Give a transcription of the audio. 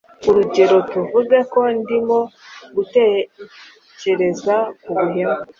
urugero, tuvuge ko ndimo gutekereza ku buhemu